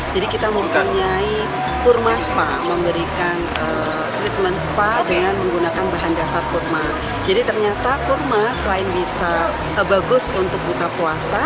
jadi ternyata kurma selain bisa bagus untuk buka puasa